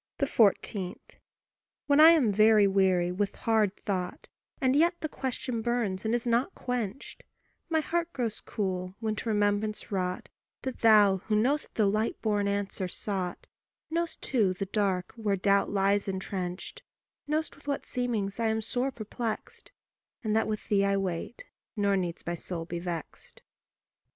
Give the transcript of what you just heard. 14. When I am very weary with hard thought, And yet the question burns and is not quenched, My heart grows cool when to remembrance wrought That thou who know'st the light born answer sought Know'st too the dark where the doubt lies entrenched Know'st with what seemings I am sore perplexed, And that with thee I wait, nor needs my soul be vexed.